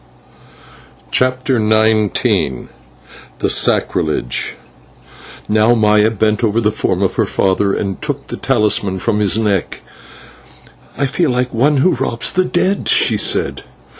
CHAPTER XIX THE SACRILEGE Now Maya bent over the form of her father and took the talisman from his neck. "I feel like one who robs the dead," she said.